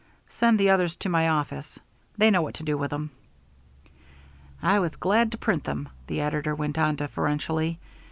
Send the others to my office. They know what to do with 'em." "I was glad to print them," the editor went on deferentially.